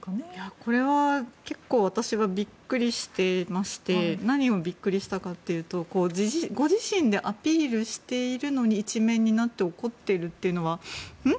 これは結構私はビックリしていまして何をビックリしたかというとご自身でアピールしているのに１面になって怒っているというのはん？